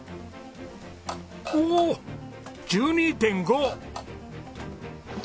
おおっ１２．５！